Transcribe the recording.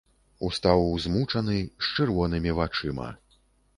Устаў змучаны, з чырвонымі вачыма.